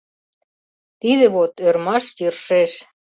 Тиде вот ӧрмаш йӧршеш